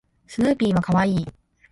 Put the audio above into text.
スヌーピーは可愛い